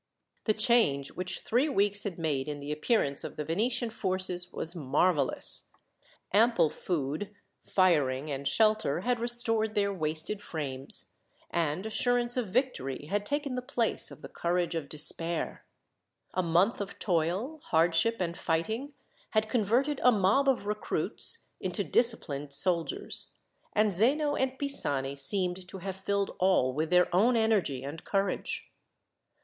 The change which three weeks had made in the appearance of the Venetian forces was marvellous. Ample food, firing, and shelter had restored their wasted frames, and assurance of victory had taken the place of the courage of despair. A month of toil, hardship, and fighting had converted a mob of recruits into disciplined soldiers, and Zeno and Pisani seemed to have filled all with their own energy and courage.